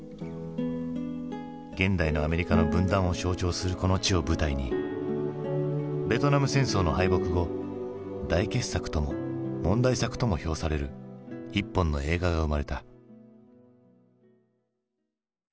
現代のアメリカの分断を象徴するこの地を舞台にベトナム戦争の敗北後大傑作とも問題作とも評される一本の映画が生まれた。